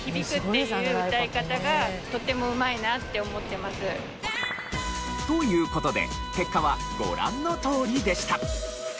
「もうすぐ乗り込む」という事で結果はご覧のとおりでした。